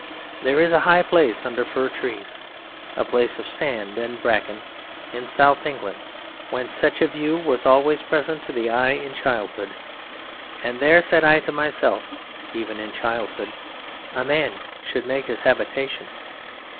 There is a high place under fir trees, a place of sand and bracken, in South England whence such a view was always present to eye in childhood and "There," said I to myself (even in childhood) "a man should make his habitation."